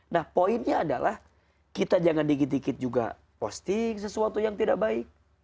nah poinnya adalah kita jangan dikit dikit juga posting sesuatu yang tidak baik